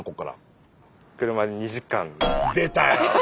出たよ。